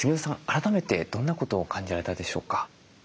改めてどんなことを感じられたでしょうか？